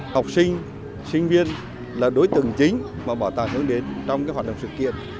học sinh sinh viên là đối tượng chính mà bảo tàng hướng đến trong cái hoạt động sự kiện